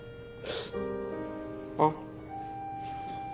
あっ。